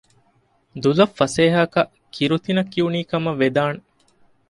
ދުލަށް ފަސޭހައަކަށް ކިރުތިނަ ކިޔުނީ ކަމަށް ވެދާނެ